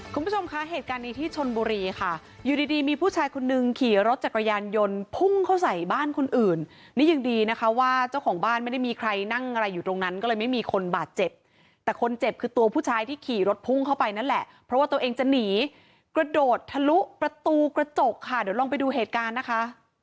คุณผู้ชมคะเหตุการณ์นี้ที่ชนบุรีค่ะอยู่ดีดีมีผู้ชายคนนึงขี่รถจักรยานยนต์พุ่งเข้าใส่บ้านคนอื่นนี่ยังดีนะคะว่าเจ้าของบ้านไม่ได้มีใครนั่งอะไรอยู่ตรงนั้นก็เลยไม่มีคนบาดเจ็บแต่คนเจ็บคือตัวผู้ชายที่ขี่รถพุ่งเข้าไปนั่นแหละเพราะว่าตัวเองจะหนีกระโดดทะลุประตูกระจกค่ะเดี๋ยวลองไปดูเหตุการณ์นะคะ